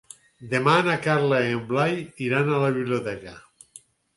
Demà na Carla i en Blai iran a la biblioteca.